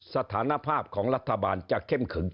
สถานภาพของรัฐบาลจะเข้มขึง